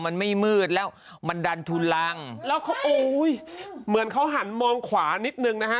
มันไม่มืดแล้วมันดันทุลังแล้วเขาโอ้ยเหมือนเขาหันมองขวานิดนึงนะฮะ